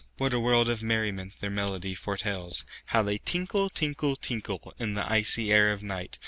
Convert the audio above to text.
What a world of merriment their melody foretells! How they tinkle, tinkle, tinkle, In the icy air of night!